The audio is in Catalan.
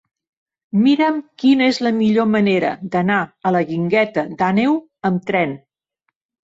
Mira'm quina és la millor manera d'anar a la Guingueta d'Àneu amb tren.